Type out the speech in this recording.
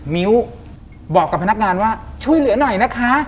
มิ้วบอกกับพนักงานว่าช่วยเหลือหน่อยนะคะ